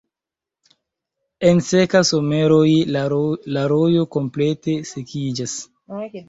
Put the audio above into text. En seka someroj la rojo komplete sekiĝas.